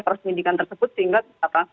perusmindingan tersebut sehingga